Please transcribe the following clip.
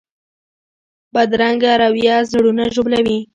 بدرنګه رویه زړونه ژوبلوي